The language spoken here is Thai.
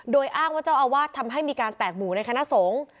โดยอ้างว่าเจ้าอาวาสทำให้มีการแตกหมู่ในคณะสงฆ์